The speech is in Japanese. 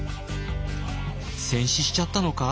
戦死しちゃったのか？